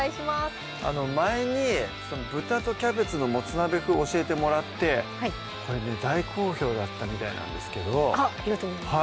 前に「豚とキャベツのもつ鍋風」教えてもらってこれね大好評だったみたいなんですけどありがとうございます